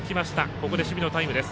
ここで守備のタイムです。